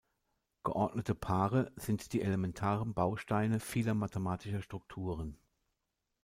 Geordnete Paare sind die elementaren Bausteine vieler mathematischer Strukturen.